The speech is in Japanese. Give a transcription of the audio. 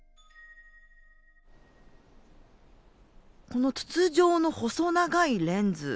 この筒状の細長いレンズ。